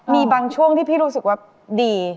มีบางช่วงที่พี่รู้สึกว่าดี